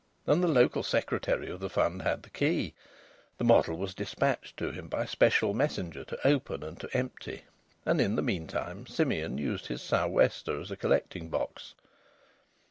And the Local Secretary of the Fund had the key. The model was despatched to him by special messenger to open and to empty, and in the meantime Simeon used his sou' wester as a collecting box.